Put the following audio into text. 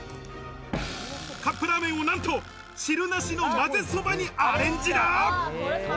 カップラーメンを、なんと汁なしの油そばにアレンジだ。